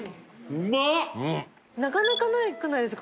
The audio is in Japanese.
なかなかなくないですか？